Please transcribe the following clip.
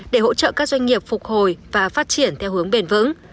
để hỗ trợ các doanh nghiệp phục hồi và phát triển theo hướng bền vững